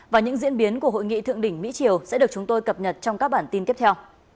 và những diễn biến của hội nghị thượng đỉnh mỹ triều sẽ được chúng tôi cập nhật trong các bản tin tiếp theo